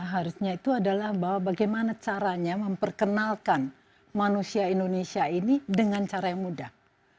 harusnya itu adalah bahwa bagaimana caranya memperkenalkan manusia indonesia ini dengan cara yang mudah